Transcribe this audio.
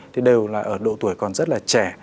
thì đều là ở độ tuổi còn rất là trẻ